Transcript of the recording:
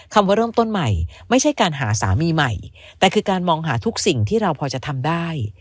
ว่าเริ่มต้นใหม่ไม่ใช่การหาสามีใหม่แต่คือการมองหาทุกสิ่งที่เราพอจะทำได้